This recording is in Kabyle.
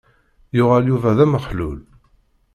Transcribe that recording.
Yuɣal Yuba d amexlul.